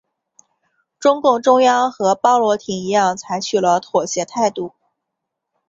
中共中央和鲍罗廷一样采取了妥协态度。